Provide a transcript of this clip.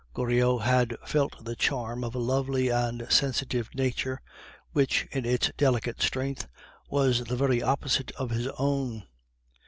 Goriot had felt the charm of a lovely and sensitive nature, which, in its delicate strength, was the very opposite of his own.